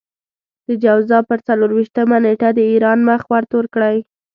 د جوزا پر څلور وېشتمه نېټه د ايران مخ ورتور کړئ.